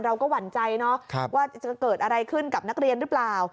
หวั่นใจเนอะว่าจะเกิดอะไรขึ้นกับนักเรียนหรือเปล่า